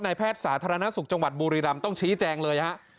แพทย์สาธารณสุขจังหวัดบุรีรำต้องชี้แจงเลยฮะ